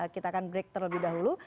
kita akan break terlebih dahulu